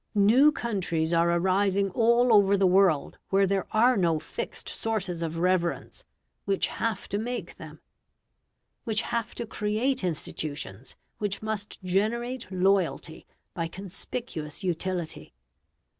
New countries are arising all over the world where there are no fixed sources of reverence; which have to make them; which have to create institutions which must generate loyalty by conspicuous utility.